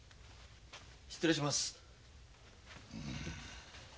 失礼します。